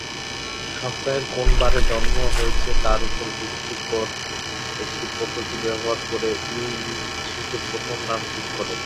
সপ্তাহের কোন বারে জন্ম হয়েছে তার উপর ভিত্তি কর একটি পদ্ধতি ব্যবহার করে ইউই শিশুর প্রথম নাম ঠিক করে।